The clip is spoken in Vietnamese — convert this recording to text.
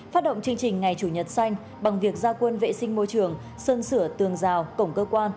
phát động chương trình ngày chủ nhật xanh bằng việc gia quân vệ sinh môi trường sơn sửa tường rào cổng cơ quan